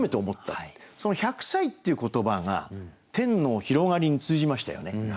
その「百歳」っていう言葉が天の広がりに通じましたよね。